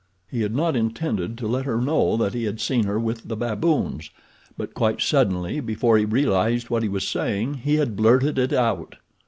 He had not intended to let her know that he had seen her with the baboons; but quite suddenly, before he realized what he was saying, he had blurted it out.